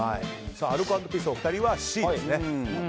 アルコ＆ピースのお二人はＣですね。